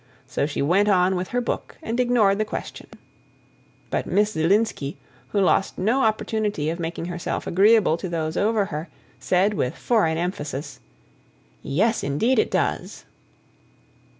So she went on with her book, and ignored the question. But Miss Zielinski, who lost no opportunity of making herself agreeable to those over her, said with foreign emphasis: "Yes, indeed it does."